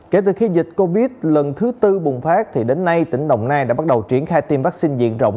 kể từ khi dịch covid lần thứ tư bùng phát thì đến nay tỉnh đồng nai đã bắt đầu triển khai tiêm vaccine diện rộng